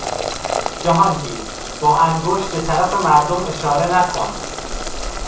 جهانگیر، با انگشت به طرف مردم اشاره نکن!